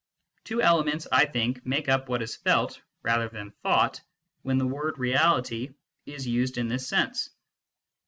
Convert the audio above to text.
Two elements, I think, make up what is felt rather than thought when the word " reality " is used in this sense.